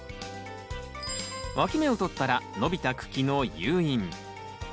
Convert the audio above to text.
わき芽をとったら伸びた茎の誘引。